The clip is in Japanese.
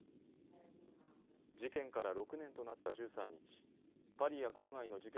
事件から６年となった１３日、パリや郊外の事件